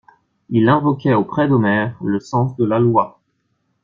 Il invoquait auprès d'Omer le sens de la loi.